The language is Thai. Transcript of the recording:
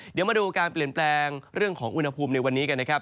เดี๋ยวมาดูการเปลี่ยนแปลงเรื่องของอุณหภูมิในวันนี้กันนะครับ